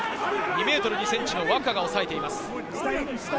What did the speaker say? ２ｍ２ｃｍのワクァが抑えています。